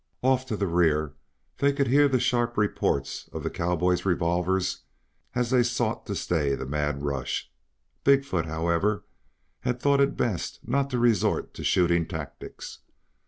Off to the rear they could hear the sharp reports of the cowboys' revolvers as they sought to stay the mad rush. Big foot, however, had thought it best not to resort to shooting tactics.